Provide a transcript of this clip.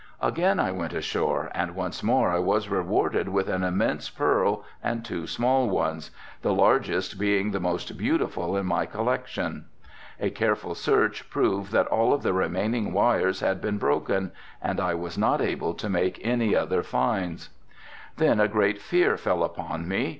Again I went ashore and once more I was rewarded with one immense pearl and two small ones, the largest being the most beautiful in my collection. A careful search proved that all of the remaining wires had been broken and I was not able to make any other finds. Then a great fear fell upon me.